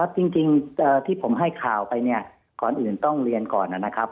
จริงที่ผมให้ข่าวไปเนี่ยก่อนอื่นต้องเรียนก่อนนะครับ